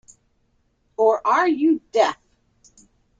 Or are you deaf?